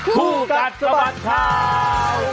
คู่กัดสะบัดข่าว